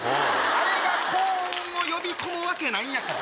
あれが幸運を呼び込むわけないんやから。